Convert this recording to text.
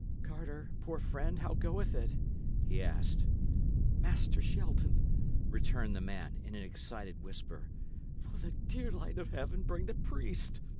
"Carter, poor friend, how goeth it?" he asked. "Master Shelton," returned the man, in an excited whisper, "for the dear light of heaven, bring the priest.